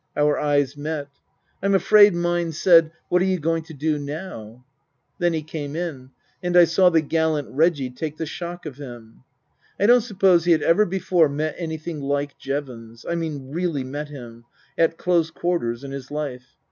Our eyes met. I'm afraid mine said :" What are you going to do now ?" Then he came in and I saw the gallant Reggie take the shock of him. I don't suppose he had ever before met anything like Jevons I mean really met him, at close quarters in his life.